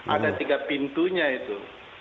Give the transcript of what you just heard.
ada tiga pintunya itu